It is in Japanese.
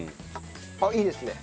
あっいいですね。